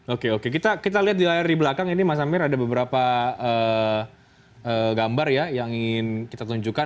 oke oke kita lihat di layar di belakang ini mas amir ada beberapa gambar ya yang ingin kita tunjukkan